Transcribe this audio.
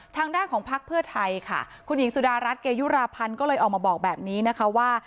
ทางด้านของพักเพื่อไทยค่ะคุณหญิงสุดารัฐเกยุราพันธ์ก็เลยออกมาบอกแบบนี้นะคะว่า